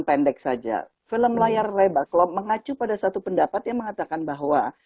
pendek saja film layar lebar kalau mengacu pada satu pendapat yang mengatakan bahwa